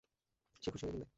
সে খুশি হয়ে কিনবে।